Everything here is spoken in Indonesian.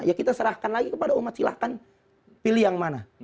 ya kita serahkan lagi kepada umat silahkan pilih yang mana